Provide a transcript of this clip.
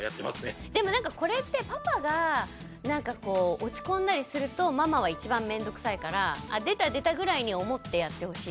でもこれってパパがなんかこう落ち込んだりするとママは一番面倒くさいからああ出た出たぐらいに思ってやってほしいですね。